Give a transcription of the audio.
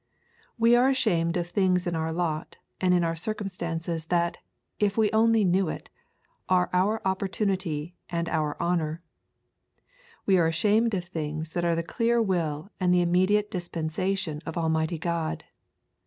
We are ashamed of things in our lot and in our circumstances that, if we only knew it, are our opportunity and our honour; we are ashamed of things that are the clear will and the immediate dispensation of Almighty God.